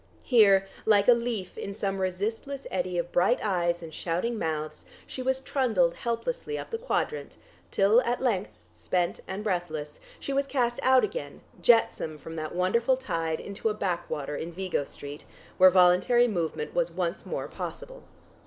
Here like a leaf in some resistless eddy of bright eyes and shouting mouths she was trundled helplessly up the Quadrant, till at length, spent and breathless, she was cast out again, jetsam from that wonderful tide, into a backwater in Vigo Street, where voluntary movement was once more possible.